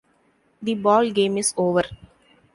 The ball game is over!